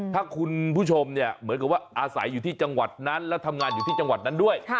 ถ้าคุณผู้ชมเนี่ยเหมือนกับว่าอาศัยอยู่ที่จังหวัดนั้นแล้วทำงานอยู่ที่จังหวัดนั้นด้วย